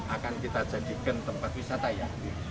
akan kita jadikan tempat wisata ya